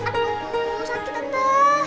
aduh sakit tante